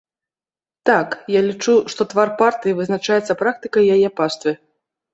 Так, я лічу, што твар партыі вызначаецца практыкай яе паствы.